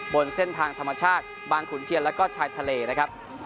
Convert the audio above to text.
บนเส้นทางธรรมชาติบางขุนเทียนแล้วก็ชายทะเลนะครับ